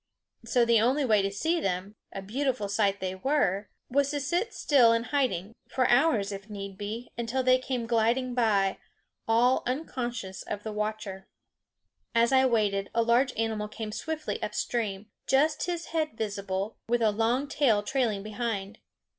So the only way to see them a beautiful sight they were was to sit still in hiding, for hours if need be, until they came gliding by, all unconscious of the watcher. As I waited a large animal came swiftly up stream, just his head visible, with a long tail trailing behind.